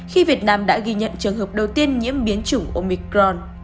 khi việt nam đã ghi nhận trường hợp đầu tiên nhiễm biến chủng omicron